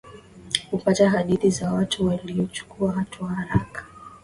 utapata hadithi za watu waliyochukua hatua haraka